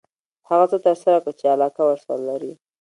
هغه څه ترسره کړه چې علاقه ورسره لري .